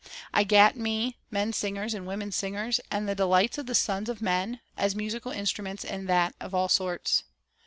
I gat me men singers and women singers; and the delights of the sons of men, as musical instruments, and that of all sorts.